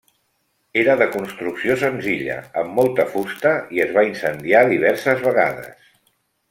Era de construcció senzilla, amb molta fusta, i es va incendiar diverses vegades.